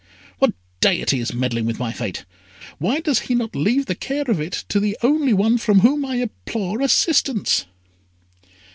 "Hah! what deity is meddling with my fate? Why does he not leave the care of it to the only one from whom I implore assistance?"